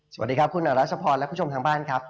สวัสดีครับคุณรัชพรและผู้ชมทางบ้านครับ